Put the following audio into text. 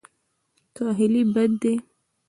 کاهلي بد دی.